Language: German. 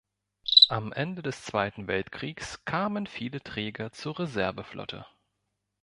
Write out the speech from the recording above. Am Ende des Zweiten Weltkriegs kamen viele Träger zur Reserveflotte.